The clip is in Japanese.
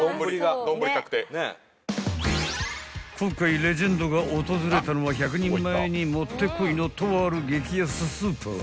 ［今回レジェンドが訪れたのは１００人前にもってこいのとある激安スーパー］